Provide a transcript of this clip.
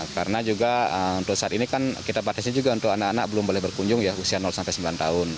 karena juga untuk saat ini kan kita patisnya juga untuk anak anak belum boleh berkunjung ya usia sembilan tahun